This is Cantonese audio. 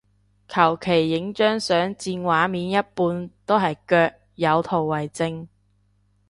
求其影張相佔畫面一半都係腳，有圖為證